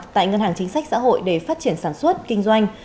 tại ngân hàng chính sách xã hội để phát triển sản xuất kinh doanh